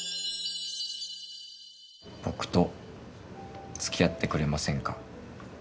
僕とつきあってくれませんか。